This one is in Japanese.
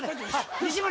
西村。